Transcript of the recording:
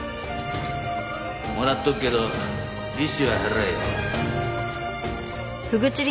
もらっとくけど利子は払えよ。